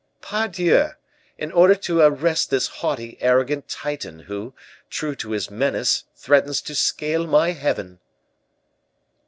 "Pardieu! in order to arrest this haughty, arrogant Titan who, true to his menace, threatens to scale my heaven."